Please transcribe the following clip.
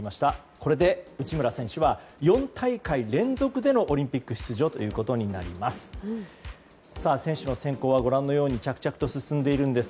これで内村選手は４大会連続でのオリンピック出場となります。